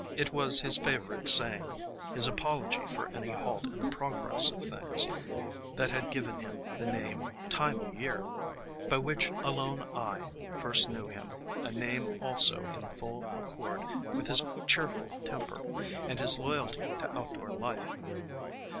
2 THE COMING OF SPRING It was his favorite saying, his apology for any halt in the progress of things, that had given him the name of "Time o' Year," by which alone I first knew him — a name also in full accord with his cheerful temper and his loyalty to outdoor life.